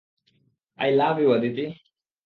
I love you, Aditi!